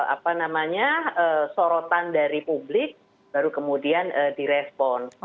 apa namanya sorotan dari publik baru kemudian direspon